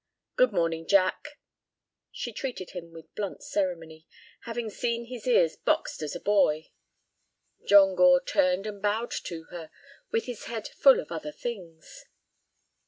"Good morning, Jack." She treated him with blunt ceremony, having seen his ears boxed as a boy. John Gore turned and bowed to her, with his head full of other things.